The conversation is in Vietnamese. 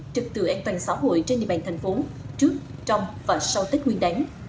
trật tự an toàn xã hội trên địa bàn thành phố trước trong và sau tết nguyên đánh